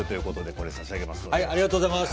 これ差し上げます。